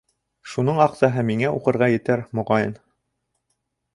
Шуның аҡсаһы миңә уҡырға етер, моғайын.